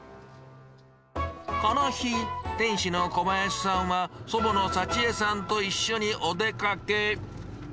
この日、店主の小林さんは、祖母の幸恵さんと一緒にお出かけ。